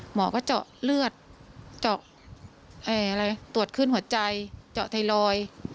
หมอก็เจาะเลือดเจาะอะไรตรวจคลื่นหัวใจเจาะไทรอย